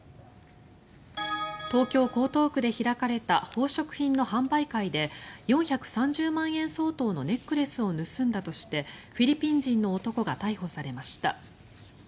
東京・江東区で開かれた宝飾品の販売会で４３０万円相当のネックレスを盗んだとしてフィリピン人の男が逮捕されました。